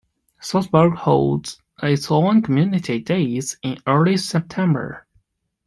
Saltsburg holds its own "Community Days" in early September.